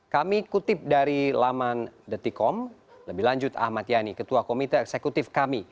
kami kutip dari laman detikom lebih lanjut ahmad yani ketua komite eksekutif kami